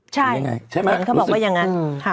ใช่เขาบอกว่าอย่างนั้น